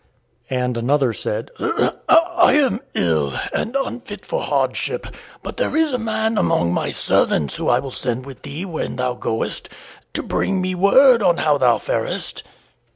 And another said: "I am ill and unfit for hardship, but there is a man among my servants whom I will send with thee when thou goest, to bring me word how thou farest."